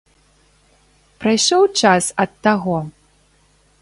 Прайшоў час ад таго?